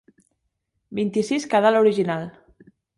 Vint-i-sis quedà l'original.